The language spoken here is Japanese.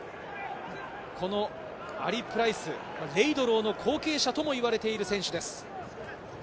このアリ・プライス、レイドローの後継者ともいわれている選手です。